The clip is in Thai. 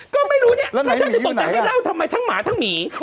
ก็ไม่รู้เนี่ยถ้าฉันถึงบอกฉันได้เล่าทำไมทั้งหมาทั้งหมี